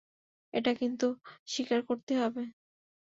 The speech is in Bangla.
এটা কিন্তু স্বীকার করতেই হবে।